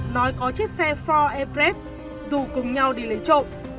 nói có chiếc xe ford everest dù cùng nhau đi lấy trộm